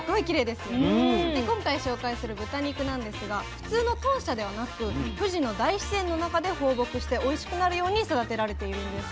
で今回紹介する豚肉なんですが普通の豚舎ではなく富士の大自然の中で放牧しておいしくなるように育てられているんです。